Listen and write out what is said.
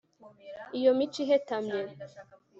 iyo mico ihetamye